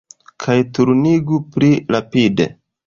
Kaj turniĝu pli rapide!